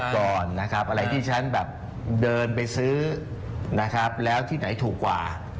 ประหยัดก่อนนะครับอะไรที่ฉันเดินไปซื้อแล้วที่ไหนถูกกว่า